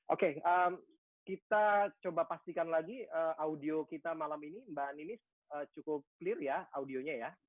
oke kita coba pastikan lagi audio kita malam ini mbak ninis cukup clear ya audionya ya